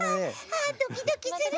あっドキドキする。